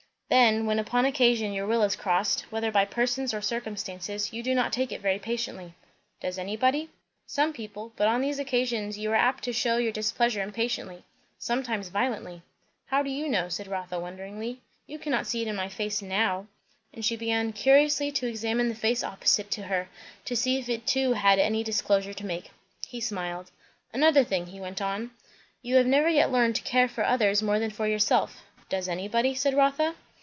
Then, when upon occasion your will is crossed, whether by persons or circumstances, you do not take it very patiently." "Does anybody?" "Some people. But on these occasions you are apt to shew your displeasure impatiently sometimes violently." "How do you know?" said Rotha wonderingly. "You cannot see that in my face now?" And she began curiously to examine the face opposite to her, to see if it too had any disclosures to make. He smiled. "Another thing, " he went on. "You have never yet learned to care for others more than for yourself." "Does anybody?" said Rotha.